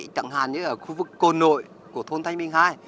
chẳng hạn như ở khu vực cồn nội của thôn thanh minh hai